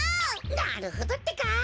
なるほどってか。